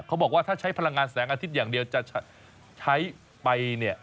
เขาบอกว่าถ้าใช้พลังงานแสงอาทิตย์อย่างเดียวจะใช้ไปเนี่ย